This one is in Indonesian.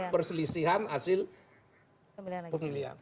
perselisihan hasil pemilihan